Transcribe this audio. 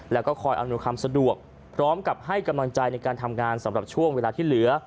แล้วก็คอยอำนวยความสะดวกพร้อมกับให้กำลังใจในการทำงานสำหรับช่วงเวลาที่เหลือ